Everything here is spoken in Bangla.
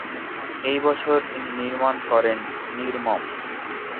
এই বছর তিনি নির্মাণ করেন "নির্মম"।